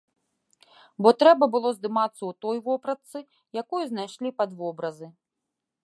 Бо трэба было здымацца ў той вопратцы, якую знайшлі пад вобразы.